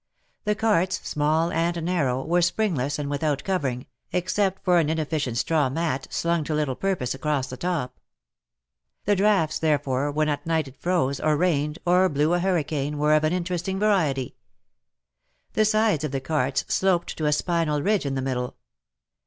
The carts, small and narrow, were springless and without covering, except for an inefficient straw mat, slung to little purpose across the top. The draughts, therefore, when at night it froze, or rained, or blew a hurricane, were of an interesting variety. The sides of the carts sloped to a spinal ridge in the middle.